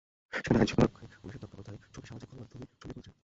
সেখানে আইনশৃঙ্খলা রক্ষায় পুলিশের তৎপরতায় ছবি সামাজিক যোগাযোগ মাধ্যমে ছড়িয়ে পড়েছে।